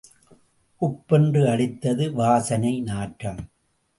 குப் பென்று அடித்தது வாசனை நாற்றம்!